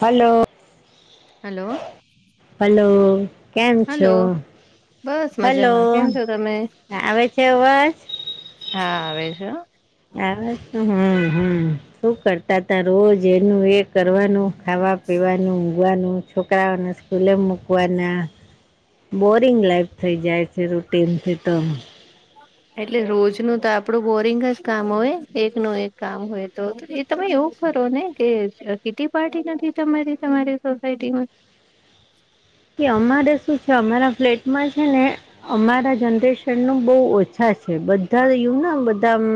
Hello hello hello. કેમ છો? Hello બસ હલો મજામાં કેમ છો તમે આવે છે અવાજ? હા આવે છે હા. આ વા હમ હમ શું કરતા ત રોજ એનું એ કરવાનું. ખાવા પીવાનું ઊગવાનું છોકરાઓને સ્કૂલે મૂકવાના. બોરિંગ લાઈફ થઈ જાય છે. રૂટીનથી તો એટલે રોજનું તો આપણું બોરિંગ જ કામ હોય એક ન એક કામ હોય. તો એ તમે એવું કરો ને કે કીટી પાર્ટી નથી. તમારી તમારી સોસાયટીમાં. કે અમારે શું છે અમારા ફ્લેટમાં છે ને અમારા જનરેશન નું બહુ ઓછા છે બધા યું દમ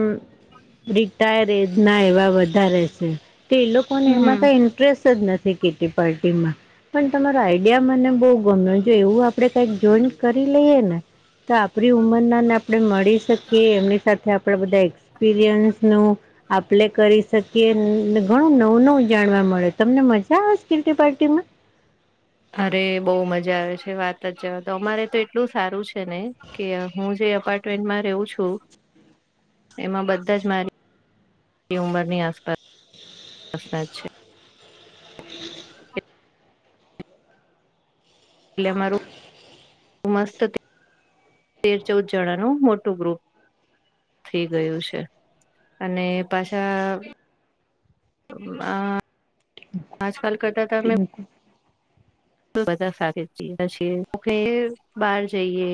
રિટાયર એજ ના એવા બધા રહેશે. તો એ લોકોને એમાં હમ કઈ ઇન્ટરેસ્ટ જ નથી. કેતી પાર્ટી માં પણ તમારો આઈડિયા મને બહુ ગમ જો એવું આપડે કઈક જોઈન કરી લઈએ ને તો આપણી ઉમરના આપણે મળી શકીએ. એમની સાથે આપણા બધા એક્સપિરિયન્સનું આપણે કરી શકીએ. ઘણું નવું નવું જાણવા મળે તમને મજા આવે કીટી પાર્ટીમાં. અરે બહુ મજા આવે છે. વાત જ જવા તો અમારે તો એટલું સારું છે ને. કે હું જે અપાર્ટમેન્ટમાં રેવું છું. એમાં બધા જ મારી ઉંમરની આસપાસ છે. એટલે મારુ મસ્ત તેર ચૌદ જણાનું મોટું ગ્રુપ. થઈ ગયું છે અને પાછા અ આજકાલ કરતા બધા સાથે છએ તો કે બહાર જઈએ.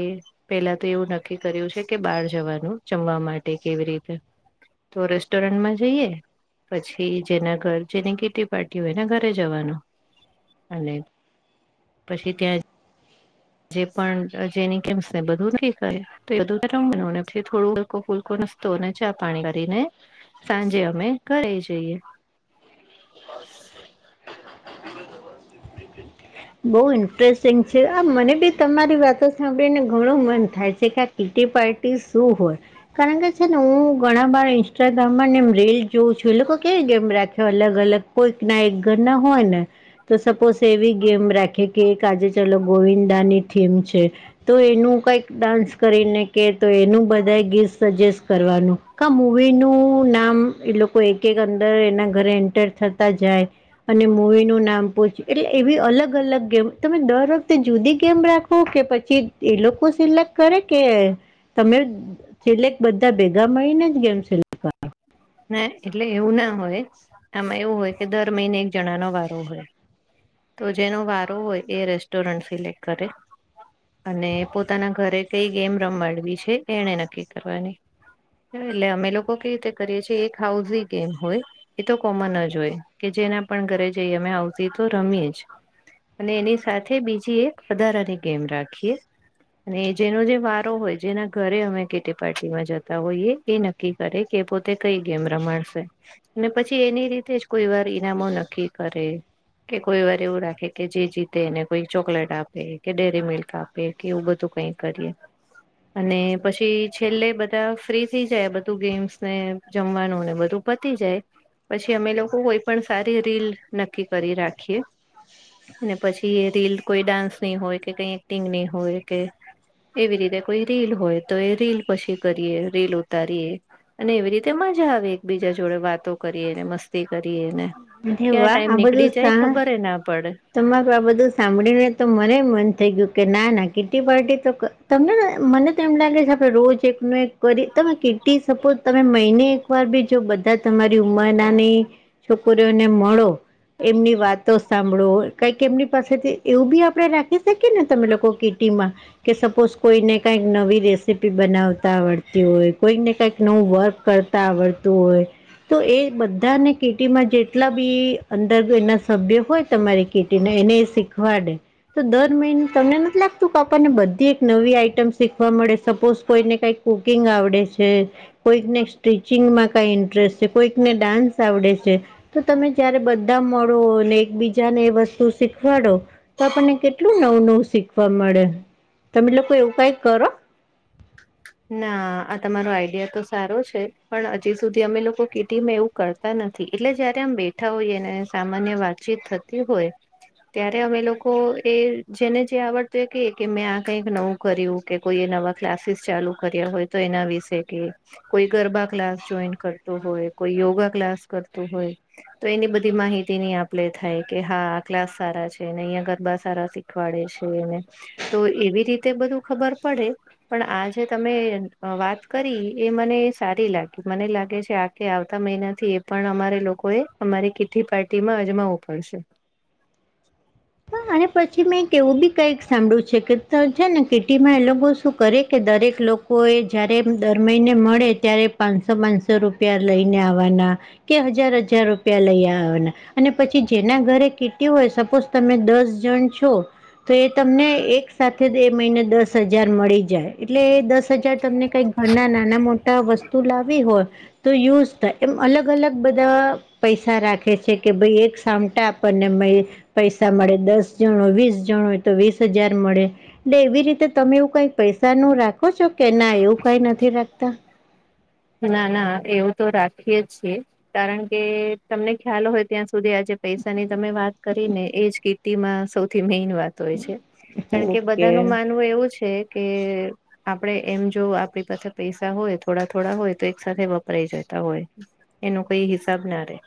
પેલા તો એવું નક્કી કર્યું છે કે બહાર જવાનું જમવા માટે કેવી રીતે. તો રેસ્ટોરન્ટમાં જઈએ. પછી જેના ઘર જેની કેીટી પાર્ટી હોયને ઘરે જવાનું અને પછી ત્યાં જે પણ જેની કેમ ને બધું થી તો એ બધા ને પછી થોડો હલકો ફૂલકો નાસ્તો ને ચા પાણી કરીને સાંજે અમે ઘરે એ જઈએ. બહું ઇન્ટરેસ્ટિંગ છે. આ મને બી તમારી વાતો સાંભળીને ઘણું મન થાય છે. કીટી પાર્ટી શું હોય? કારણ કે છે ને હું ઘણા બાર ઇન્સ્ટાગ્રામમાં એમ રીલ જોઉં છું. એ લોકો કેવી ગેમ રાખ્યો અલગ અલગ કોઈક ના એક ઘર ના હોય ને તો સપોઝ એવી ગેમ રાખે કે એક આજે ચાલો ગોવિંદા ની થીમ છે. તો એનું કઈક ડાન્સ કરીને કે તો એનું બધા ગીત સજેસ્ટ કરવાનું ક મૂવી નું નામ એ લોકો એક એક અંદર એના ઘરે એન્ટર થતા જાય. અને મવી નું નામ પહચ્યું એટલે એ અલગ અલગ ગેમ તમે દર વખતે જુદી ગેમ રાખો કે પછી એ લોકો સિલેક્ટ કરે કે તમે સિલેક્ટ બધા ભેગા મળીને જ ગેમ સિલેક્ટ કરો. ના એટલે એવું ના હોય આમાં એવું હોય કે દર મહિને એક જણા નો વારો હોય. તો જેનો વારો હોય એ રેસ્ટોરન્ટ સિલેક્ટ કરે. અને પોતાના ઘરે કઈ ગેમ રમાડવી છે એને નક્કી કરવાની. એટલે અમે લોકો કેવી રીતે કરીએ છીએ. એક હાઉઝ ગેમ હોય એ તો કોમન જ હોય કે જેના પણ ઘરે જઈ અમે તો હાઉઝ રમીએ જ. અને એની સાથે બીજી એક વધારાની ગેમ રાખીએ. અને જેનો જે વારો હોય જેના ઘરે અમે કેટી પાર્ટીમાં જતા હોઈએ એ નક્કી કરે કે પોતે તે કઈ ગેમ રમાડશે પછી એની રીતે જ કોઈ વાર ઈનામો નક્કી કરે. કે કોઈ વાર એવું રાખે કે જે જીતે ને કોઈ ચોકલેટ આપે કે ડેરી મિલ્ક આપે કે એવું બધું કઈ કરીએ અને પછી છેલ્લે બધા ફ્રી થઈ જાય બધું ગેમ્સ ને જમવાનું ને બધું પતી જાય પછી અમે લોકો કોઈ પણ સારી રીલ નક્કી કરી રાખીએ. અને પછી રીલ કોઈ ડાન્સ નઇ હોય કે કઈ એક્ટિંગ નઇ હોય કે એવી રીતે કોઈ રીલ હોય તો એ રીલ પછી કરીએ રીલ ઉતારીએ અને એવી રીતે. તે મજા આવે એકબીજા જોડે વાતો કરીએને, મસ્તી કરીએ ને કરો અરે ક્યાં ટાઈમ નીકળી જાય ખબર ના પડે. તમારુ આ બધું સાંભળી ને તો મને મન થઈ ગયું કે ના ના કીટી પાર્ટી તો ક તમને મને તો એમ લાગે છે આપડે રોજ એક ન એક કરી તમે કિટી સપોઝ તમે મહિને એક એક વાર બી જો બધા તમારી ઉંમરનાની છોકરીઓને મળો એમની વાતો સા ભળો કઈક એમની પાસેથી એવું બી આપડે રાખી શકીએ ને તમે લોકો કીટી માં કે સપોઝ કોઈ ને કઈક નવી રેસીપી બનાવતા આવડતી હોય કોઈક ને કઈક નવું વર્ક કરતા આવડતું હોય. તો એ બધાને કિટીમાં જેટલા બી અંદર એના સભ્ય હોય. તમારી કીટી ને એને શીખવાડે તો દર મહિને તમને નથી લાગતું કે આપણને બધી એક નવી આઈટમ શીખવા મળે સપોઝ કોઈને કઈક કુકિંગ આવડે છે. કોઈકને સ્ટિચિંગમાં કઈ ઇન્ટરેસ્ટ છે કોઈકને ડાન્સ આવડે છે. તો તમે જયારે બધા મળો ને એક બીજા જા ને એ વસ્તુ શીખવાડો તો આપણને કેટલું નવું નવું શીખવા મળે. તમે લોકો એવું કઈ કરો. ના આ તમારો આઈડિયા તો સારો છે પણ હજી સુધી અમે લોકો કીટીમાં એવું કરતા નથી એટલે જયારે આમ બેઠા હોઈએ અને સામાન્ય વાતચીત થતી હોય. ત્યારે અમે લોકો એ જેને જે આવડતું એ કે કે મેં આ કંઈક નવું કર્યું કે કોઈ એ નવા ક્લાસીસ ચાલુ કર્યા હોય તો એના વિશે કે. કોઈ ગરબા ક્લાસ જોઈન કરતો હોય કોઈ યોગા ક્લાસ કરતો હોય. તો એની બધી માહિતી ની આપ લે થાય કે હા ક્લાસ સારા છે, ને અહીંયા ગરબા સારા શીખ ખવાડે છેને તો એવી રીતે બધું ખબર પડે પણ આજ જે તમે વાત કરી એ મને સારી લાગી મને લાગે છે આખ આવતા મહિનાથી પણ અમારે લોકો એ અમારી કીઠ્ઠી પાર્ટી માં અજમાવું પડશે. તોહ અને પછી મેં એવું બી કંઈક સાંભળ્યું છે કે છે ને કીટીમાં એ લોકો શું કરે કે દરેક લોકો કો એ જ્યારે દર મહિને મળે ત્યારે પાંચસો પાંચસો રૂપિયા લઈને આવવાના કે હજાર હજાર રૂપિયા લઈ આવેના અને પછી જેના ઘરે કીટ હોય સપોઝ તમે દસ જણ છો. તો એ તમને એક સાથે એ મહિને દસ હજાર મળી જાય એટલે એ દસ હજાર તમને કંઈક ઘણા નાના મોટા વસ્તુ લાવી હોય તો યુઝ થાય. એમ અલગ અલગ બધા પૈસા રાખે છે કે ભાઈ એક સામટા આપણને મ પૈસા મળે દસ જણો વીસ જણોય તો વીસ હજાર મળે એવી રીતે તમે એવું કઈક પૈસા નું રાખો. ક છો કે ના એવું કઈ નથી રાખતા. ના ના એવું તો રાખીએ જ છીએ કારણ કે તમને ખ્યાલ હોય. ત્યાં સુધી આજે પૈસા ની તમે વાત કરી ને એ જ કીટી માં સૌથી મેઈન વાત. હોય છે કારણ કે ઓકે બધા ન માનવું એવું છે કે આપડે એમ જો આપણી પાસે પૈસા હોય થોડા થોડા હોય તો એક સાથે વપરાય જતા હોય એનો કોઈ હિસાબ ના રહે,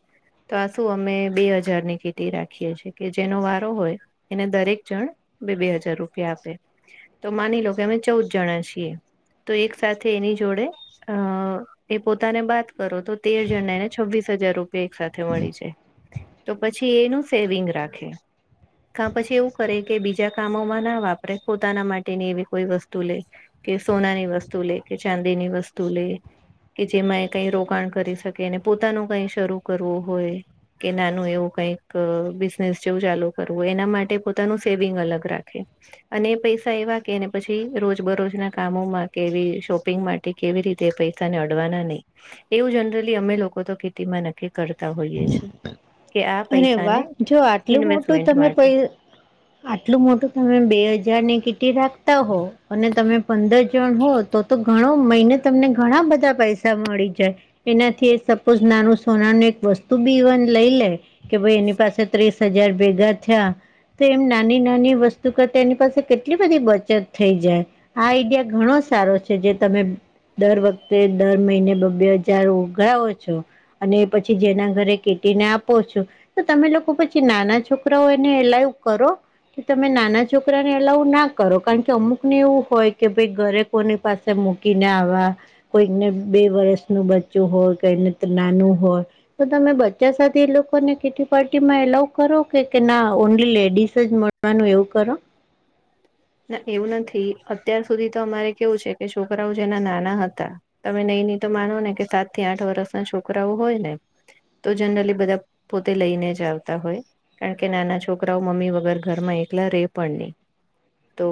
તો આ શું અમે બે હજાર ની કિટી રાખીએ છીએ કે જેનો વારો હોય, એને દરેક જણ બે બે હજાર રૂપિયા આપે તો માની લો કે અમે ચૌદ જણા છીએ. તો એક સાથે એની જોડે અ એ પોતાને બાત કરો તો તેર જણા એને છવ્વીસ હજાર રૂપિયા એક સાથે મળી જાય. તો પછી એનું સેવિંગ રાખે. કા પછી એવું કરે કે બીજા કામોમાં ના વાપરે પોતાના માટેની એવી કોઈ વસ્તુ લે. કે સોનાની વસ્તુ લે કે ચાંદીની વસ્તુ લે કે જેમાં એ કઈ રોકાણ કરી શકે અને પોતાનું કઈ શરૂ કરવું હોય. કે નાનું એવું કઈક બિઝનેસ જેવું ચાલુ કરવું એના માટે પોતાનું સેવિંગ અલગ રાખે. અને પૈસા એવા કેને પછી રોજ બરોજ ના કામોમાં કેવી શોપિંગ માટે કેવી રીતે પૈસાને અડવાના નહી. એવું જનરલી અમે લોકો તો ખેતી માં નક્કી કરતા હોઈએ છે. અરે વાહ! જો આટલું મોટું ઇન્વેસ્ટમેન્ટ તમે પ માટે આટલું મોટું તમે બે હજારની કિટી રાખતા હો અને તમે પંદર હોય તો તો ઘણો મહિને તમને ઘણા બધા પૈસા મળી જાય. એનાથી સપોઝ નાનું સોનાનું એક વસ્તુ બી ઇવન લઈ લે. કે ભાઈ એની પાસે ત્રીસ હજાર ભેગા થયા. તો એમ નાની નાની વસ્તુ કરતા એની પાસે કેટલી બધી બચત થઈ જાય. આ આઈડિયા ઘણો સારો છે જે તમે દર વખતે દર મહિને બબ્બે હજાર ઓઘરાવો છો અને પછી જેના ઘરે કેટીને આપો છો. તો તમે લોકો પછી નાના છોકરાઓ એને લાઈવ કરો? કે તમે નાના છોકરાને અલાવ ના કરો કારણ કે અમુક ને એવું હોય કે ભાઈ ઘરે કોની પાસે મૂકીને આવા કોઈકને બે વર્ષનું બચ્ચું હોય કોઈને નાનું હોય તો તમે બચ્ચા સાથે એ લોકોને કે પાર્ટી માં એલાવ કરો કે ના ઓનલી લેડીસ જ મળવાનું એવું કરો? ના એવું નથી અત્યાર સુધી તો અમારે કેવું છે કે છોકરાઓ જેના નાના હતા. તમે નહી નહી તો માનો ને કે સાત થી આઠ વર્ષના છોકરાઓ હોય ને તો જનરલી બધા પોતે લઈને જ આવતા હોય. કારણ કે નાના છોકરાઓ મમ્મી વગર ઘરમાં એકલા રે પણ નહીં. તો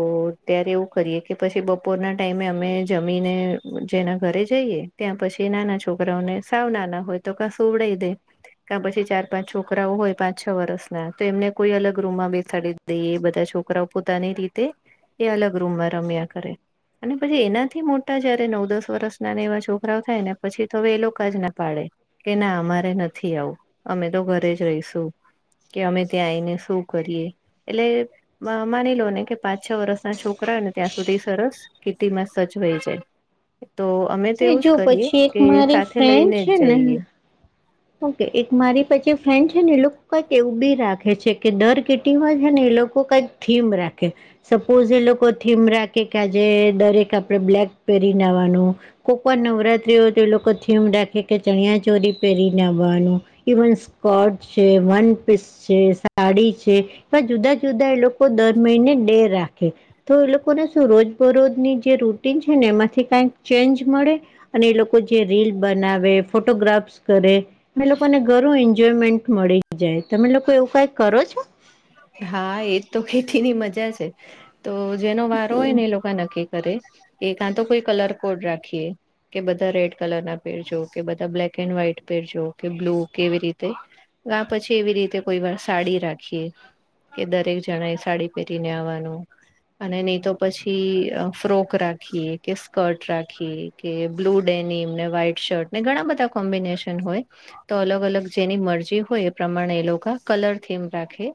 ત્યારે એવું કરીએ કે પછી બપોરના ટાઈમે અમે જમીને જેના ઘરે જઈએ ત્યાં પછી નાના છોકરાઓને સાવ નાના હોય તો ક સુવડાઈ દે. ક પછી ચાર પાંચ છોકરાઓ હોય પાંચ છ વર્ષના તો એમને કોઈ અલગ રૂમમાં બેસાાડી દઈએ એ બધા છોક છોકરાઓ પોતાની રીતે એ અલગ રૂમમાં રમ્યા કરે. અને પછી એનાથી મોટા જયારે નવ દસ વર્ષ ના એવા છોકરાઓ થાય ને પછી તો હવે એ લોકા જ ના પાડે. કે ના અમારે નથી આવું અમે તો ઘરે જ રહીશું. કે અમે ત્યાં આવીને શું કરીએ એટલે માની લો ને કે પાંચ છ વર્ષના છોકરા હોય ને ત્યાં સુધી સરસ કેટિમાં સચવાઈ જાય. તો અમે તો ને એવું જ જો કરીએ પછી એક કે મારી સાથે ફ્રેન્ડ લઈને છે જ ને જઈએ. ઓકે એક મારી પછી ફ્રેન્ડ છે ને એ લોકો કઈક એવું બી રાખે છે કે દર કિટીમાં છે ને એ લોકો કઈક થીમ રાખે. સપોઝ એ લોકો થીમ રાખે કે આજે દરેક આપડે બ્લેક પેરીને આવાનું કોપર નવરાત્રી હોય તો એ લોકો થીમ રાખે કે ચણિયા ચોરી પહેરી ને આવાનું ઇવન સ્કટ છે વન પિશ છે સાડી છે એવા જુદા જુદા એ લોકો દર મહિને ડે રાખે. તો એ લોકોને શું રોજ બરોજ ની જે રુ ને એમાંથી ક ચેન્જ મળે અને એ લોકો જે રીલ બનાવે ફોટોગ્રાફ્સ કરે એ લોકોને ઘરું એન્જોયમેન્ટ મળે. જાય તમે લોકો એવું કાય કરો છો? હા એજ તો કેટીની મજા છે, તો જેનો વારો હોય. ને એ લોકા નક્કી કરે એક આ તો કોઈ કલર કોડ રાખીએ કે બધા રેડ કલર ના પેરજો કે બધા બ્લેક એન્ડ વ્હાઈટ પેરજો કે બ્લુ કેવી રીતે કા પછી એવી રીતે કોઈ વાર સાડી રાખીએ. કે દરેક જણા એ સાડી પહેરીને આવવાનું. અને નહી તો પછી ફ્રોક રાખીએ કે સ્કર્ટ રાખીએ. કે બ્લુ ડેની એમને વ્હાઈટ શર્ટ ને ઘણા બધા કોમ્બિનેશન હોય. તો અલગ અલગ જેની મરજી હોય એ પ્રમાણે એ લોકો કલર થીમ રાખે.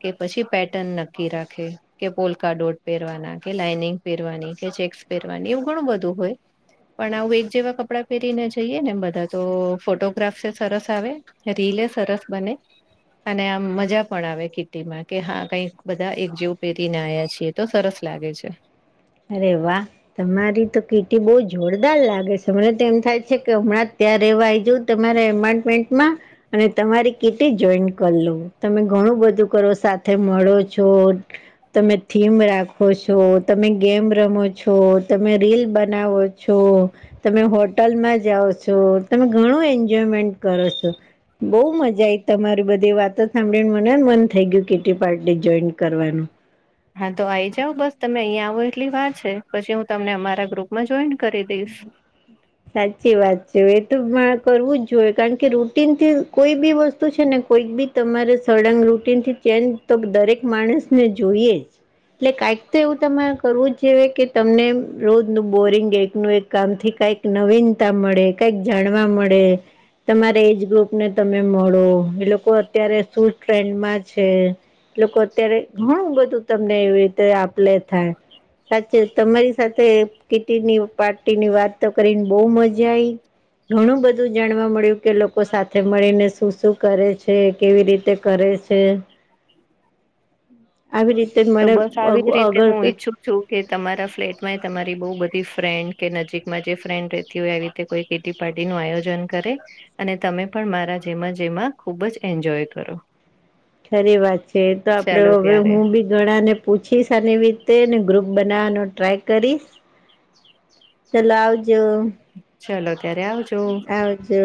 કે પછી પેટર્ન નક્કી રાખે. કે પોલકા ડોટ પહેરવાના કે લાઈનિંગ પહેરવાની કે ચેક્સ પહેરવાની એવું ઘણું બધું હોય. પણ આવું એક જેવા કપડાં પહેરીને જઈએ ને એમ બધા તો ફોટોગ્રાફ સ સરસ આવે રીલે સરસ બને અને આમ મજા પણ આવે કે કે હા કંઈક બધા એક જેવું પહેરીને આયા છીએ તો સરસ લાગે છે. અરે વાહ તમારી તો કીર્તિ બહુ જોરદાર લાગે છે મને તો એમ થાય. કે હમણાં ત્યારે રહેવા આવી જઉ તમારા એપોન્ટમેન્ટમાં અને તમારી કીટ જોઈન કર લો તમે ઘણું બધું કરો સાથે મળો છો. તમે થીમ રાખો છો, તમે ગેમ રમો છો, તમે રીલ બનાવો છો તમે હોટલમાં જાઓ છો, તમે ઘણું એન્જોયમેન્ટ કરો છો બઉ મજા આઈ તમારી બધી વાતો સાંભળીને મનેને મન થઈ ગયું કેટ પાર્ટી જોઈન કરવાનું. હા તો આ આવી જાવ બસ તમે અહીયાં આવો એટલી વાત છે, પછી હું તમને અમારા ગ્રુપ જોઈન્ટ કરી દઈશ. હું. સાચી વાત છે એ તો કરવું જ જોઈએ, કારણ કે રૂટનથી કોઈ બી વસ્તુ છે, ને કોઈક બી તમારે સળંગ રૂટીનથી ચેન્જ તો દરેક માણસ ને જોઈએ. એટલે કાંઈક તો એવું તમારે કરવું જ જોઈએ કે તમને રોજ ન બોરિંગ નું એક કામ થી કંઈક નવીનતા મળે કંઈક જાણવા મળે. તમારા એજ ગ્રુપ ને તમે મળો એ લોકો અત્યારે શું ટ્રેન્ડમાં છે. લોકો અત્યારે ઘણું બધું તમને એવી રીતે આપલે થાય. સાચે તમારી સાથે કીટની પાર્ટીની વાત તો કરીને બહુ મજા આઈ. ઘણું બધું જાણવા મળ્યું કે લોકો સાથે મળીને શું શું કરે છે, કેવી રીતે કરે છે. આ તો બસ આવી જ રીતે હું ઈચ્છું જો કે તમારા ફ્લેટમાં એ તમારી બઉ બધી ફ્રેન્ડ કે નજીકમાં જે ફ્રેન્ડ રેતી હોય એવી કોઈ કેટી પાર્ટી નું આયોજન કરે. અને તમે પણ મારા જેમાં જેમાં ખુબ જ એન્જોય કરો. ખરી વાત છે, તો આપડે ચાલો હવે ત્યારે હું બી ઘણા ને પૂછીશ એવી રીતે ને ગ્રુપ બનાવવાનો ટ્રાય કરીશ. ચલો આવજો. ચલો ત્યારે આવજ આવજો.